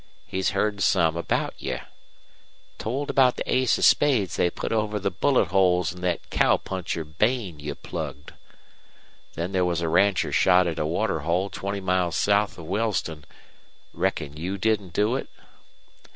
He's heard some about you. Told about the ace of spades they put over the bullet holes in thet cowpuncher Bain you plugged. Then there was a rancher shot at a water hole twenty miles south of Wellston. Reckon you didn't do it?"